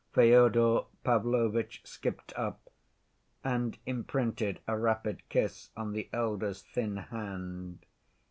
Fyodor Pavlovitch skipped up, and imprinted a rapid kiss on the elder's thin hand.